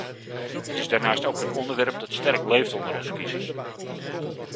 Het is daarnaast ook een onderwerp dat sterk leeft onder onze kiezers.